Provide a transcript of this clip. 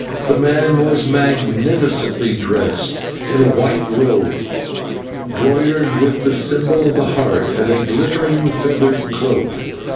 The man was magnificently dressed in a white robe, broidered with the symbol of the Heart, and a glittering feather cloak.